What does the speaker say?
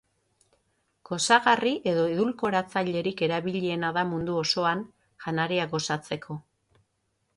Gozagarri edo edulkoratzailerik erabiliena da mundu osoan, janariak gozatzeko.